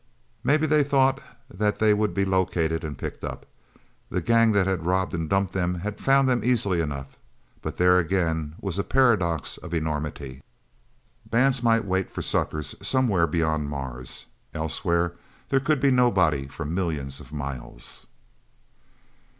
Maybe they thought that they would be located and picked up the gang that had robbed and dumped them had found them easily enough. But there, again, was a paradox of enormity. Bands might wait for suckers somewhere beyond Mars. Elsewhere, there could be nobody for millions of miles.